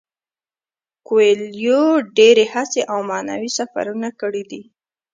کویلیو ډیرې هڅې او معنوي سفرونه کړي دي.